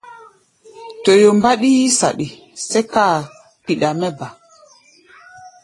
Toyo mbáɗí yí-saɗi, sɛ́ka a̧ kpiɗa mɛ́ ba.